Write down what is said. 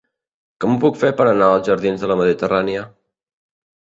Com ho puc fer per anar als jardins de la Mediterrània?